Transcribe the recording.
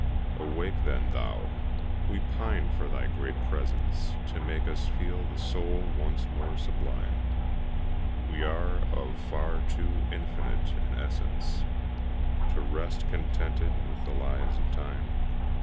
Awake, then, thou! we pine for thy great presence To make us feel the soul once more sublime, We are of far too infinite an essence To rest contented with the lies of Time.